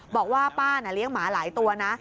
บอกว่าป้าน่ะเลี้ยงหมาหลายตัวนะ